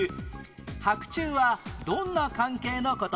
伯仲はどんな関係の事？